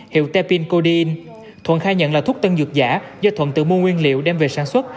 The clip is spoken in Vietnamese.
hiệu tepincodine thuận khai nhận là thuốc tân dược giả do thuận tự mua nguyên liệu đem về sản xuất